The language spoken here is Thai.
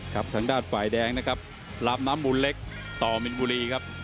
ทางด้านฝ่ายแดงนะครับลามน้ำมูลเล็กต่อมินบุรีครับ